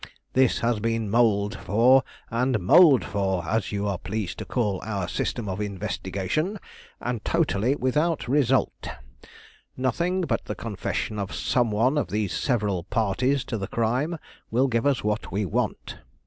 This has been moled for, and moled for, as you are pleased to call our system of investigation, and totally without result. Nothing but the confession of some one of these several parties to the crime will give us what we want.